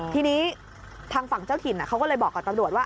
ทีนี้ทางฝั่งเจ้าถิ่นเขาก็เลยบอกกับตำรวจว่า